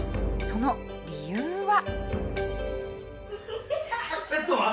その理由は。